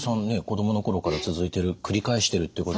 子供の頃から続いてる繰り返してるってことは。